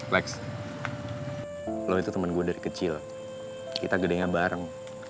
max lo itu temen gue dari kecil kita gedenya bareng